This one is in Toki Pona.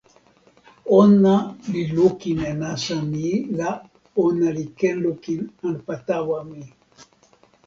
ona li lukin e nasa mi la ona li ken lukin anpa tawa mi